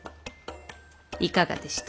いかがでした？